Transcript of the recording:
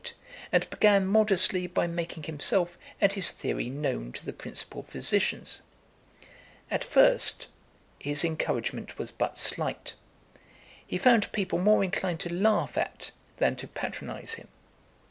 He arrived at Paris in 1778, and began modestly by making himself and his theory known to the principal physicians. At first, his encouragement was but slight; he found people more inclined to laugh at than to patronise him.